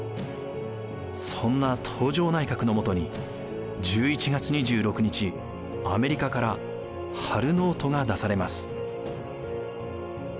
そんな東条内閣のもとに１１月２６日アメリカからハル・ノートが出されます。